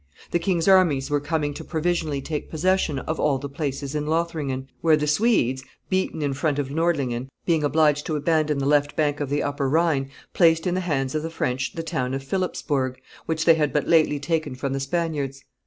The king's armies were coming to provisionally take possession of all the places in Lothringen, where the Swedes, beaten in front of Nordlingen, being obliged to abandon the left bank of the Upper Rhine, placed in the hands of the French the town of Philipsburg, which they had but lately taken from the Spaniards.